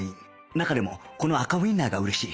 中でもこの赤ウィンナーが嬉しい